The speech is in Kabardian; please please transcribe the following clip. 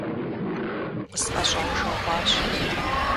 – КъысӀэщӀэужэгъуащ…